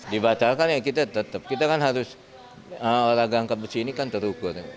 di batalkan ya kita tetap kita kan harus orang angkat besi ini kan terukur